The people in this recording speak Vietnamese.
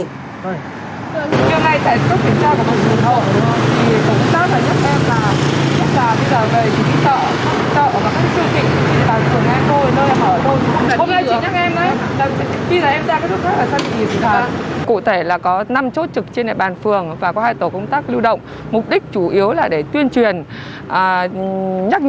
người phụ nữ này cầm phiếu đi chợ và xử lý những trường hợp cố tình vi phạm